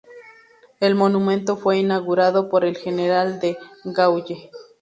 El monumento fue inaugurado por el General De Gaulle.